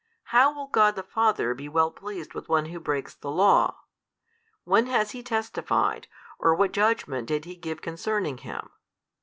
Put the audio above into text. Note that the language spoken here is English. how will God the Father be well pleased with one who breaks the Law? when has He testified, or what judgement did He give concerning Him?